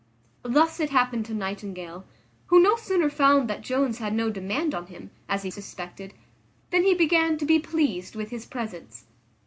Thus it happened to Nightingale, who no sooner found that Jones had no demand on him, as he suspected, than he began to be pleased with his presence.